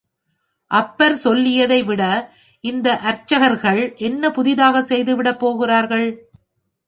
அப்பர் சொல்லியதைவிட, இந்த அர்ச்சகர்கள் என்ன புதிதாகச் செய்துவிடப் போகிறார்கள்?